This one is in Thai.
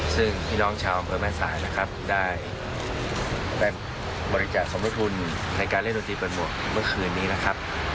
ซึ่งพี่น้องชาวอำเภอแม่สายนะครับได้ไปบริจาคสมททุนในการเล่นดนตรีเปิดหมวกเมื่อคืนนี้นะครับ